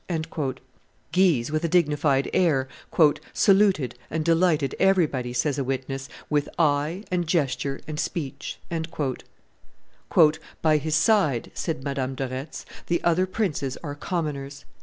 Guise, with a dignified air, "saluted and delighted everybody," says a witness, "with eye, and gesture, and speech." "By his side," said Madame de Retz, "the other princes are commoners."